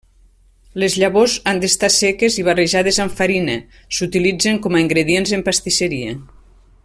Les llavors han d'estar seques i, barrejades amb farina, s'utilitzen com a ingredients en pastisseria.